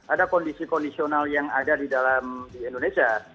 ada kondisi kondisional yang ada di dalam di indonesia